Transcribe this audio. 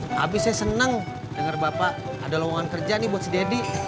tapi saya senang dengar bapak ada lowongan kerja nih buat si deddy